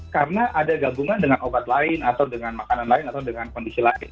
karena ada gabungan dengan obat lain atau dengan makanan lain atau dengan kondisi lain